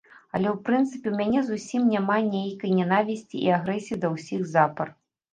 Але ў прынцыпе ў мяне зусім няма нейкай нянавісці і агрэсіі да ўсіх запар.